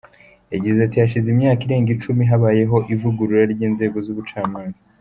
Yagize ati « Hashize imyaka irenga icumi habayeho ivugurura ry’inzego z’ubucamanza.